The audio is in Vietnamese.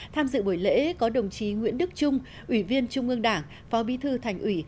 tham dự buổi lễ có đồng chí nguyễn đức trung ủy viên trung ương đảng phó bí thư thành ủy